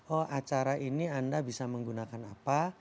oh acara ini anda bisa menggunakan apa